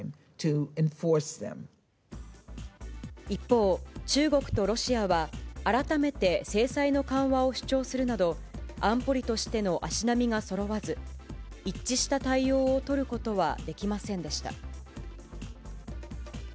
一方、中国とロシアは、改めて制裁の緩和を主張するなど、安保理としての足並みがそろわず、一致した対応を取ることはできませんでした。